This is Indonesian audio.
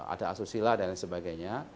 ada asusila dan sebagainya